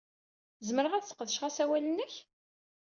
Zemreɣ ad sqedceɣ asawal-nnek?